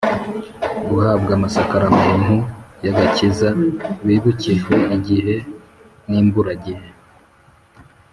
guhabwamasakaramentu y’agakiza. bibukijwe igihe n’imburagihe